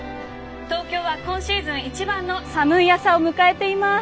東京は今シーズン一番の寒い朝を迎えています。